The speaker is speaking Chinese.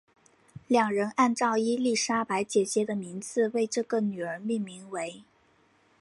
两人按照伊丽莎白姐姐的名字为这个女儿命名为。